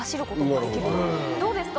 どうですか？